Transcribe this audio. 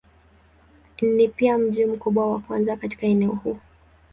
Ni pia mji mkubwa wa kwanza katika eneo huu.